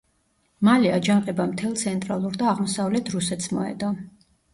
მალე აჯანყება მთელ ცენტრალურ და აღმოსავლეთ რუსეთს მოედო.